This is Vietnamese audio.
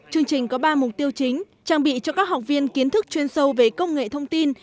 chương trình có ba mục tiêu chính trang bị cho các học viên kiến thức chuyên sâu về công nghệ thông tin